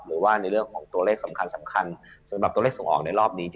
หรือว่าในเรื่องของตัวเลขสำคัญสำหรับตัวเลขส่งออกในรอบนี้